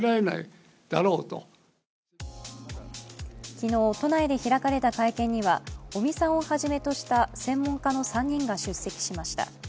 昨日、都内で開かれた会見には尾身さんをはじめとした専門家の３人が出席しました。